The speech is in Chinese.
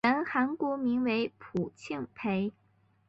原韩国名为朴庆培。